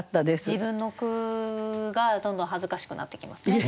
自分の句がどんどん恥ずかしくなってきますね。